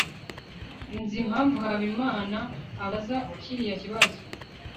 nzi impamvu habimana abaza kiriya kibazo